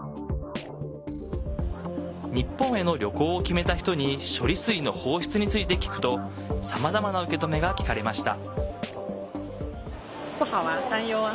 日本への旅行を決めた人に処理水の放出について聞くとさまざまな受け止めが聞かれました。